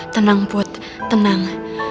tenang put tenang